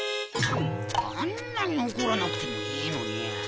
あんなにおこらなくてもいいのに。